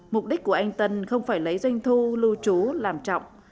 mục đích của anh tân không phải lấy doanh thu lưu trú làm trọng